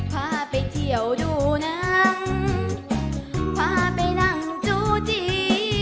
พาไปเที่ยวดูหนังพาไปนั่งจูจี